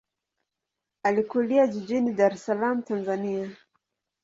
Alikulia jijini Dar es Salaam, Tanzania.